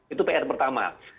itu pr pertama